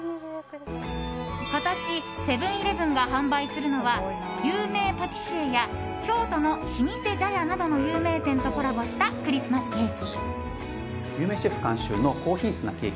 今年、セブン‐イレブンが販売するのは有名パティシエや京都の老舗茶屋などの有名店とコラボしたクリスマスケーキ。